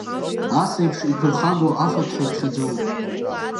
Ас еиԥш иԥырхагоу афатә ҳәа иԥхьаӡоуп…